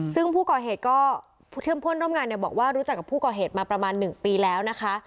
ซึ่งผู้ก่อเหตุก็ผู้เชื่อมพ่นร่วมงานเนี่ยบอกว่ารู้จักกับผู้ก่อเหตุมาประมาณ๑ปีแล้วนะคะ